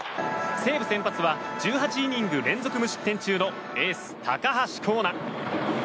西武先発は１８イニング連続無失点中のエース、高橋光成。